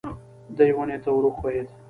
دی ونې ته ور وښوېد.